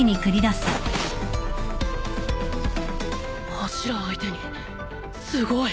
柱相手にすごい。